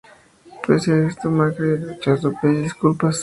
Pese a esto, Macri rechazó pedir disculpas.